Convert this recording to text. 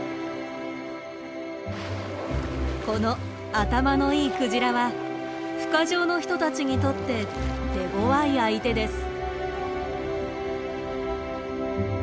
この頭のいいクジラはふ化場の人たちにとって手ごわい相手です。